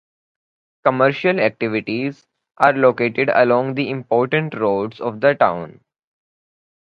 Commercial activities are located along the important roads of the town.